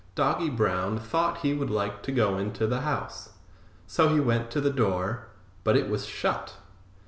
Doggy Brown thought he would like to go into the house, so he went to the door, but it was shut.